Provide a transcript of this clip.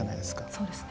そうですね。